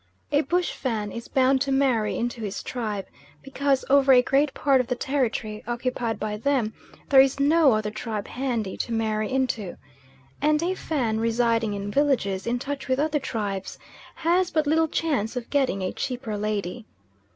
A bush Fan is bound to marry into his tribe, because over a great part of the territory occupied by them there is no other tribe handy to marry into; and a Fan residing in villages in touch with other tribes, has but little chance of getting a cheaper lady.